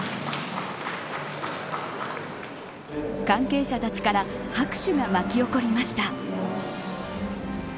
関係者たちから拍手が沸き起こりました。